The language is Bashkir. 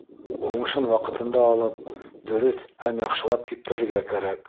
Уңышын ваҡытында алып, дөрөҫ һәм яҡшылап киптерергә кәрәк.